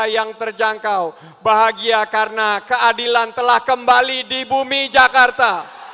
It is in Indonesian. yang terjangkau bahagia karena keadilan telah kembali di bumi jakarta